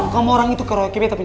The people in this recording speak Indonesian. kamu orang itu keroyokan